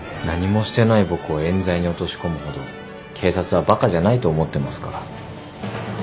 何もしてない僕を冤罪に落とし込むほど警察はバカじゃないと思ってますから。